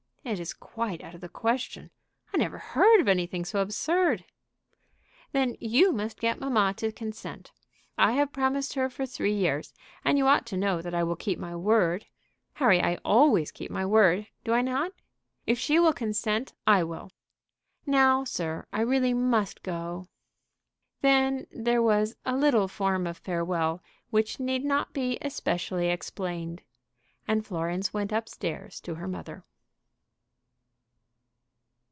"It is quite out of the question. I never heard of anything so absurd." "Then you must get mamma to consent. I have promised her for three years, and you ought to know that I will keep my word. Harry, I always keep my word; do I not? If she will consent, I will. Now, sir, I really must go." Then there was a little form of farewell which need not be especially explained, and Florence went up stairs to her mother.